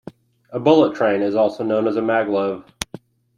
A bullet train is also known as a maglev.